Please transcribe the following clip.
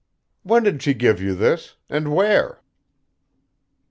"When did she give you this and where?"